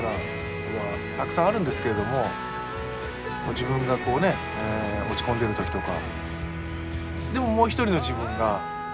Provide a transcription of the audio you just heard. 自分が落ち込んでる時とか。